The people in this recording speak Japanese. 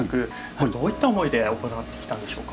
これどういった思いで行ってきたんでしょうか？